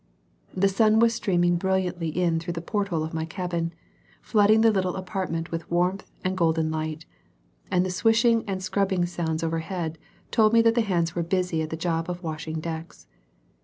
The sun was streaming brilliantly in through the porthole of my cabin, flooding the little apartment with warmth and golden light; and the swishing and scrubbing sounds overhead told me that the hands were busy at the job of washing decks.